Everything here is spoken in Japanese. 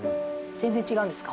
全然違うんですか？